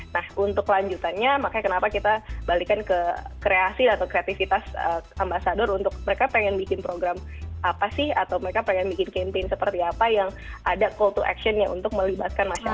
nah untuk lanjutannya makanya kenapa kita balikan ke kreasi atau kreativitas ambasador untuk mereka pengen bikin program apa sih atau mereka pengen bikin campaign seperti apa yang ada cole to actionnya untuk melibatkan masyarakat